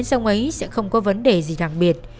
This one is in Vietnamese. việc thắp hương ở bên sông ấy sẽ không có vấn đề gì đặc biệt